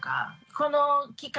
この期間